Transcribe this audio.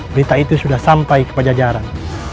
berita itu sudah sampai kebajajaran